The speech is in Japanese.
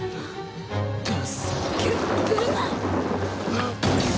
あっ！